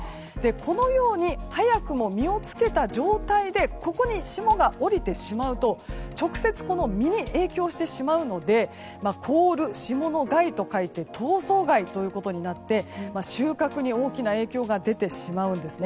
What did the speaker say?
このように早くも実をつけた状態でここに霜が降りてしまうと直接、この実に影響してしまうので凍霜害となって収穫に大きな影響が出てしまうんです。